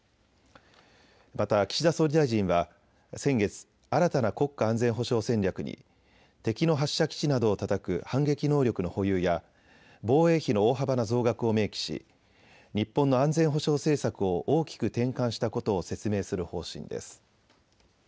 また岸田総理大臣は先月、新たな国家安全保障戦略に敵の発射基地などをたたく反撃能力の保有や防衛費の大幅な増額を明記し日本の安全保障政策を大きく転換したことを説明する方針です。